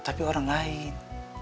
tapi orang lain